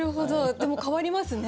でも変わりますね。